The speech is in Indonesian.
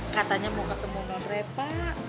katanya mau ketemu sama reva